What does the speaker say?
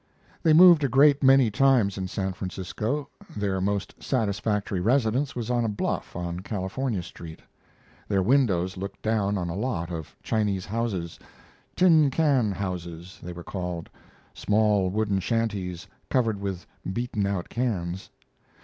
They moved a great many times in San Francisco. Their most satisfactory residence was on a bluff on California Street. Their windows looked down on a lot of Chinese houses "tin can houses," they were called small wooden shanties covered with beaten out cans.